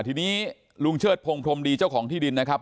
ทีนี้ลุงเชิดพงพรมดีเจ้าของที่ดินนะครับ